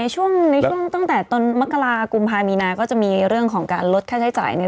ฉันก็ต้องจ่ายแค่๗๕บาทใช่ไหม